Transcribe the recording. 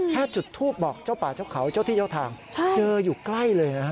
จุดทูปบอกเจ้าป่าเจ้าเขาเจ้าที่เจ้าทางเจออยู่ใกล้เลยนะฮะ